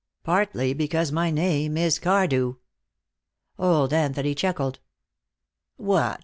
"Partly because my name is Cardew." Old Anthony chuckled. "What!"